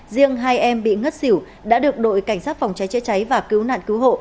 riêng hai em bị ngất xỉu đã được đội cảnh sát phòng cháy chữa cháy và cứu nạn cứu hộ